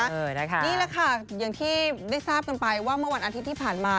นี่แหละค่ะอย่างที่ได้ทราบกันไปว่าเมื่อวันอาทิตย์ที่ผ่านมา